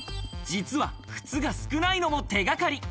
実は、靴が少ないのも手掛かり。